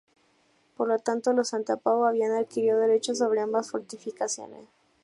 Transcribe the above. Por lo tanto, los Santa Pau habían adquirido derechos sobre ambas fortificaciones.